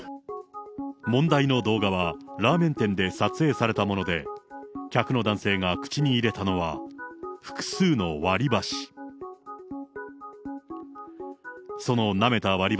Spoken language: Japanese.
問題の動画は、ラーメン店で撮影されたもので、客の男性が口に入れたのは、複数の割り箸。